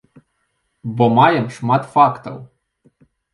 Бо маем шмат фактаў.